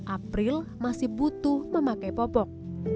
april masih butuh memakai popok